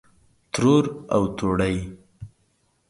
ترور او توړۍ